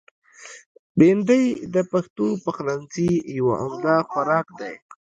بېنډۍ د پښتو پخلنځي یو عمده خوراک دی